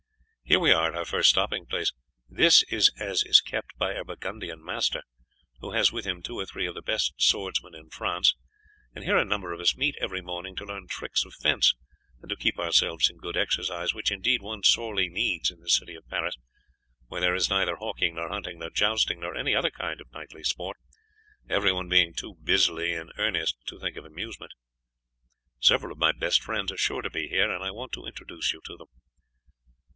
Here we are at our first stopping place. This is as it is kept by a Burgundian master, who has with him two or three of the best swordsmen in France, and here a number of us meet every morning to learn tricks of fence, and to keep ourselves in good exercise, which indeed one sorely needs in this city of Paris, where there is neither hawking nor hunting nor jousting nor any other kind of knightly sport, everyone being too busily in earnest to think of amusement. Several of my best friends are sure to be here, and I want to introduce you to them."